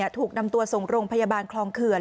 ถูกนำตัวส่งโรงพยาบาลคลองเขื่อน